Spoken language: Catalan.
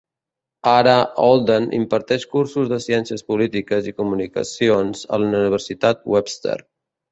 Ara Holden imparteix cursos de ciències polítiques i comunicacions a la Universitat Webster.